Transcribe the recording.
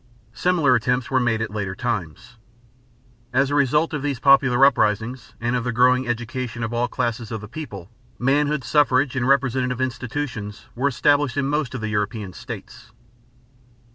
Similar attempts were made at later times. As a result of these popular uprisings and of the growing education of all classes of the people, manhood suffrage and representative institutions were established in most of the European states.